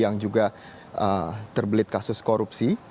yang juga terbelit kasus korupsi